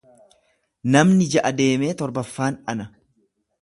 Namni ja’a deemee torbaffaan ana